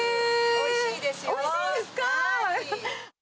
おいしいですよ。